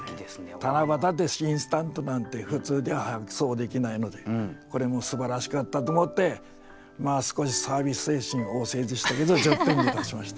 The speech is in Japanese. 七夕でインスタントなんて普通ではそうできないのでこれもすばらしかったと思って少しサービス精神旺盛でしたけど１０点にいたしました。